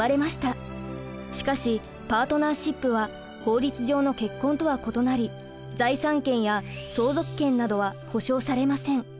しかしパートナーシップは法律上の結婚とは異なり財産権や相続権などは保障されません。